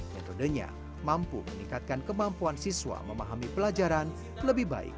metodenya mampu meningkatkan kemampuan siswa memahami pelajaran lebih baik